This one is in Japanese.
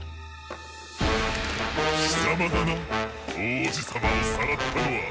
きさまだな王子様をさらったのは。